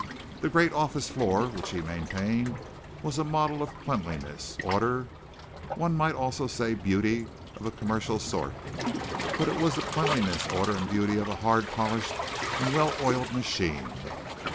The great office floor which he maintained was a model of cleanliness, order one might almost say beauty of a commercial sort, but it was the cleanliness, order and beauty of a hard, polished and well oiled machine.